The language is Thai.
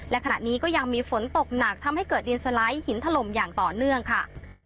และขณะนี้ก็ยังมีฝนตกหนักทำให้เกิดดินสไลด์หินถล่มอย่างต่อเนื่องค่ะ